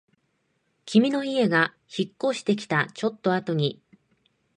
君の家が引っ越してきたちょっとあとに